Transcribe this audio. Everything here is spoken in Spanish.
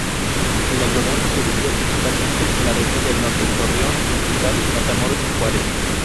El algodón se producía principalmente la región del norte: Torreón, Mexicali, Matamoros y Juárez.